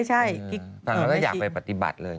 ใช่